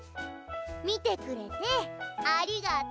見てくれてありがとう。